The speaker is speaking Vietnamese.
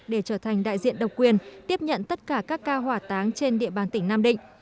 để trở thành đại diện độc quyền tiếp nhận tất cả các ca hỏa táng trên địa bàn tỉnh nam định